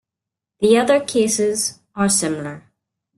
The other cases are similar.